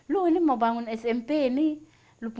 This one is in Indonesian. lo ini mau bangun smp ini lo penghasilan apa